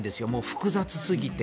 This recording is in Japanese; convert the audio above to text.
複雑すぎて。